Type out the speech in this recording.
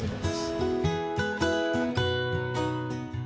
ya semalam sudah susah